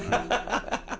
ハハハハハ！